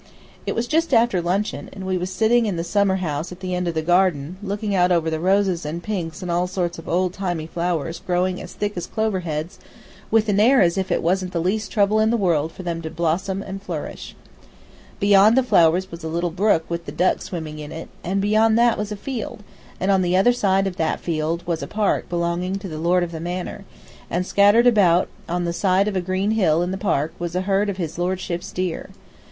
It was just after luncheon, and we was sitting in the summer house at the end of the garden, looking out over the roses and pinks and all sorts of old timey flowers growing as thick as clover heads, with an air as if it wasn't the least trouble in the world to them to flourish and blossom. Beyond the flowers was a little brook with the ducks swimming in it, and beyond that was a field, and on the other side of that field was a park belonging to the lord of the manor, and scattered about the side of a green hill in the park was a herd of his lordship's deer.